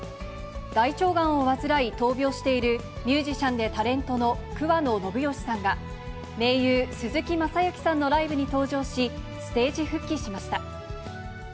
大腸がんを患い、闘病している、ミュージシャンでタレントの桑野信義さんが、盟友、鈴木雅之さんのライブに登場し、ステージ復帰しました。